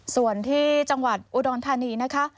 ส่วนที่จังหวัดอุดรธานีนะคะ